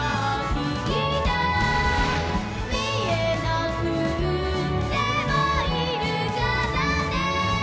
「みえなくってもいるからね」